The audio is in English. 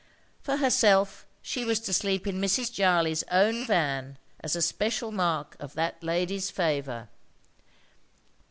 For herself, she was to sleep in Mrs. Jarley's own van as a special mark of that lady's favour.